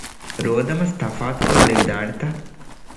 ރޯދަމަސް ތަފާތުކޮށްލެވިދާނެތަ؟